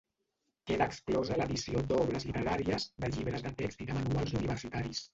Queda exclosa l'edició d'obres literàries, de llibres de text i de manuals universitaris.